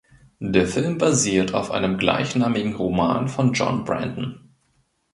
Der Film basiert auf einem gleichnamigen Roman von John Brandon.